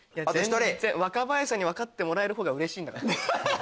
若林さんに分かってもらえる方がうれしい。